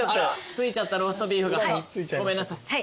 付いちゃったローストビーフがごめんなさい。